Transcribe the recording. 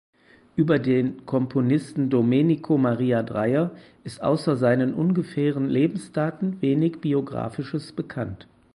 Über den Komponisten Domenico Maria Dreyer ist außer seinen ungefähren Lebensdaten wenig Biografisches bekannt.